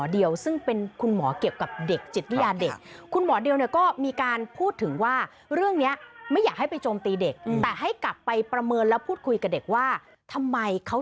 เดี๋ยวจะมีคนโดนรับพาตัว